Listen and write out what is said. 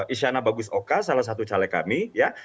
isyana bagusoka salah satu caleg kami ya